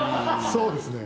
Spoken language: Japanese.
そうですね。